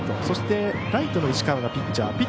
そしてライトの石川がピッチャー。